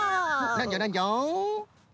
なんじゃなんじゃ！